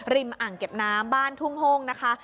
อ่างเก็บน้ำบ้านทุ่งโห้งนะคะ